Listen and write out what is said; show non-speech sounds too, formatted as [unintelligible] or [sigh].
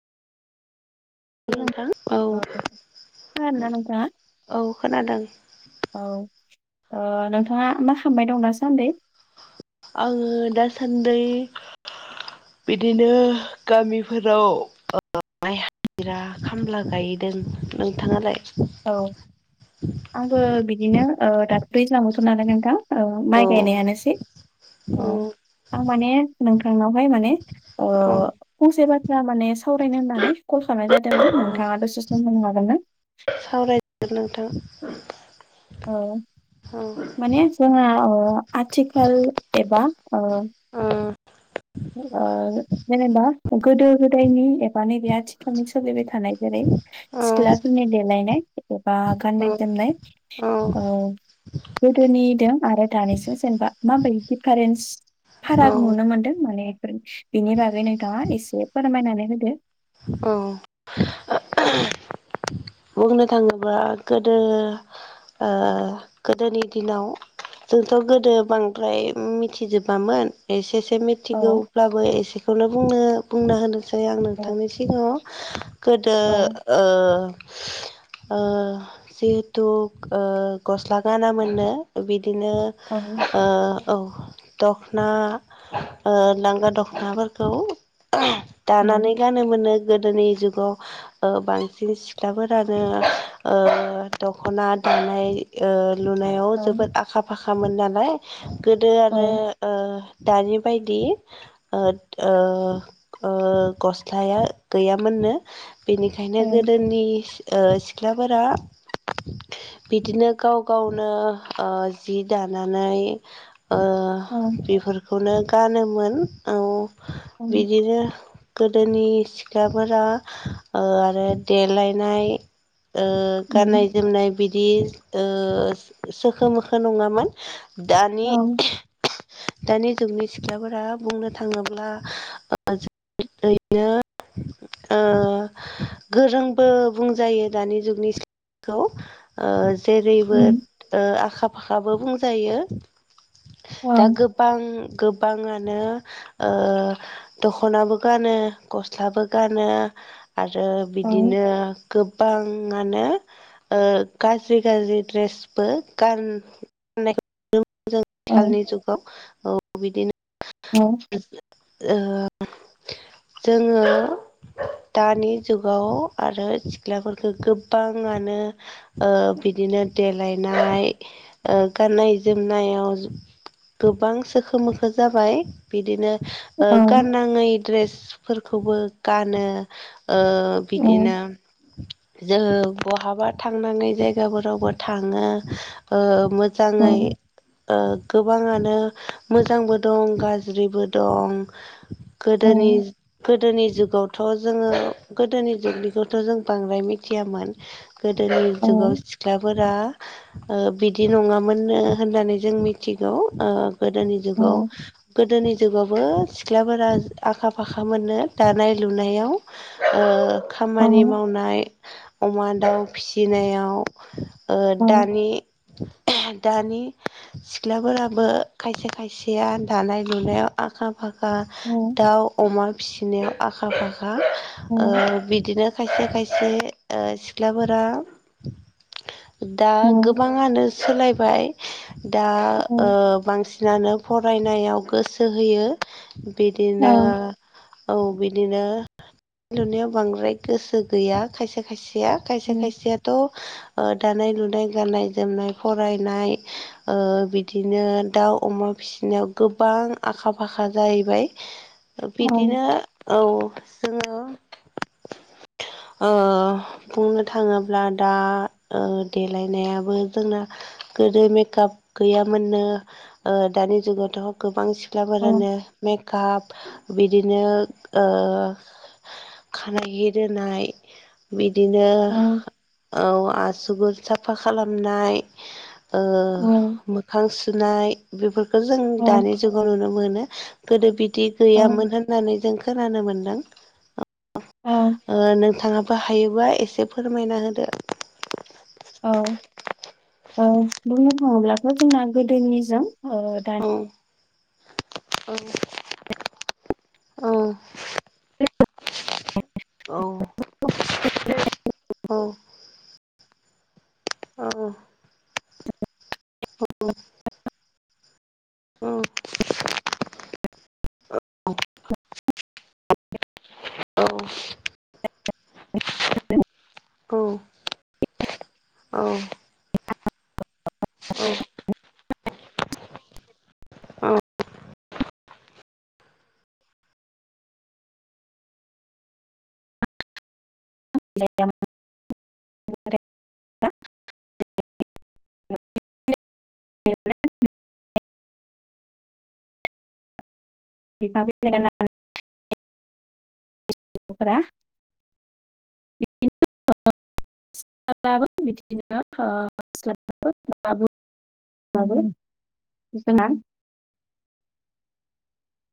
नोंथां औ। खोनादोना नोंथाङा? औ खोनादों औ। ओ नोंथाङा मा खामनाय दं दा सान्दै? आङो दासान्दै बिदिनो गामिफोराव माइ हाजिरा खामला गायदों। नोंथाङालाय? औ आंबो बिदिनो ओ [unintelligible] बोथोर नालाय नोंथां माइ औ गायनायानोसै। औ उम। आं माने नोंथांनावहाय माने ओ औ फंसे बाथ्रा माने स सावरायनो होननानै कल खालामनाय जादों औ नोंथाङा दसे सम होनो हागोन ना? गोन नोंथां। औ औ माने जोङा ओ आथिखाल एबा ओ औ ओ जेनेबा गोदो गोदायनि एबा नैबे आथिखालनि सोलिबाय थानाय जेरै औ सिख्लाफोरनि देलायनाय एबा गाननाय जोमनाय औ। गोदोनिदों आरो दानिजों जेनेबा माबोरै दिफारेन्स औ फाराग नुनो मोनदों? बेफोर बिनि बागै नोंथाङा एसे फोरमायनानै होदो। अह। [inaudible] बुंनो थाङोब्ला गोदो ओ गोदोनि दिनाव जोंथ' गोदो बांद्राय मिथिजोबामोन, एसे से औ मिथिगौब्लाबो एसेखौनो बुंनो बुंना होनोसै आं औ नोंथांनिसिम। [unintelligible] गोदो औ ओ ओ जिहेथु ओ गस्ला गाना मोननो बि दिनो औ ओ ओ दखना ओ लांगा दख'नाफोरखौ दानानै उम गानो नो गोदोनि जुगाव ओ बांसिन सिख्लाफोरानो ओ दख'ना ना दानाय ओ लुनायाव औ जोबोद आखा फाखामोन नालाय गोदो औ आरो ओ दानि बायदि ओद ओ ओ गस लाया गैयामोननो, बिनिखायनो औ गोदोनि ओ सिख्लाफोरा बिदिनो गाव गावनो ओ जि दानानै ओ औ बिफोरखौनो गानोमोन, औ उम बिदिनो दोनि सिख्लाफोरा ओ आरो देलायनाय ओ गाननाय जोमनाय बिदि ओ सोखो मोखो नङामोन। दानि औ दानि जुगनि सिख्लाफोरा बुंनो थाङोब्ला ज बिदिनो ओ गोरोंबो बुंजायो दानि जुगनि जेरैबो उम ओ आखा फाखाबो बुंजायो। औ औ दा गोबां गोबाङानो ओ दखनाबो गानो गस्लाबो गानो आरो औ बिदिनो गोबां आनो गाज्रि गाज्रि द्रेसबो गान औ । [unintelligible] ओ जोङो दानि जुगाव आरो सिख्लाफोरखो गोबाङानोओ बिदि बिदिनो देलायनाय गाननाय जोमनायाव गोबां सोखो‌ मोखो जाबाय बिदिनो । औ गाननाङै ड्रेसफोरखौबो गानो । ओ बिदिनो । जों बहाबा थांनाङै जायगाफोरावबो थाङो ओ मोजाङै । ओ गोबाङानो मोजांबो दं गाज्रिबो दं । गोदोनि औ गोदोनि जुगावथ' जोङो गोदोनि जुगनिखौथ' जों बांद्राय मिथियामोन । गोदोनि जुगाव औ सिख्लाफोरा । ओ बिदि नङामोननो होननानै जों मिथिगौ ओ औ [unintelligible] फाम मोननो दानाय लुनायाव ओ खामानि बुंनो मावनाय अमा दाउ फिसिनायाव ओ दानि दानि सिख्लाफोराबो खायसे खायसेया दानाय लुनायाव आखा फाखा दाउ अमा फिसिनायाव आखा फाखा ओ बिदिनो खायसे खायसे ओ सिख्लाफोरा दा गोबाङानो सोलायबाय दा बांसिन बांसिन । नानो फरायनायाव गोसो होयो बिदिनो औ बिदिनो नुनायाव बांद्राय गोसो गैया खायसे खायसे खायसेया खायसे खायसेयाथ' दानाय लुनाय गाननाय जोमनाय फरायनाय । बिदिनो दाउ अमा फिसिनायाव गोबां आखा फाखा जाहैबाय । बिदिनो थाङोब्लाथ' औ । [unintelligible] बुंनो थाङोब्ला दा देलायनायाबो जोंना गोदो मेकआप गैयामोननो दानि जुगावथ' गोबां । सिख्लाफोरानो मेकआप बिदिनो खानाय रोनाय बि बिदिनो औ आसुगुर साफा खालामनाय । मोखां सुनाय बेफोरखो जों दानि जुगाव नुनो मोनो गोदो बिदि गैयामोन होननानै जों खोनानो मोनदों नोंथाङाबो हायोबा एसे फोरमायना होदो । ओ ओबुंनो थाङोब्लाथ' जोंना गोदोनिजों । दानि औ [inaudible] [unintelligible] औ [inaudible] [unintelligible] औ। औ। औ [unintelligible] [unintelligible] [unintelligible] [unintelligible] [unintelligible] बाबा बिदिनो ओ [unintelligible] दाबो जोंहा